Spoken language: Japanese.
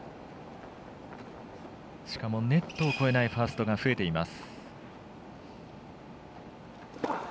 しかもネットを越えないファーストが増えています。